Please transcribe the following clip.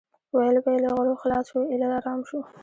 ویل به یې له غلو خلاص شو ایله ارام شو.